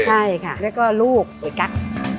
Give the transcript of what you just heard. ใช่ค่ะแล้วก็ลูกสวยกั๊ก